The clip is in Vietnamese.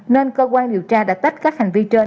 nên cơ quan điều tra đã tách các hành vi trên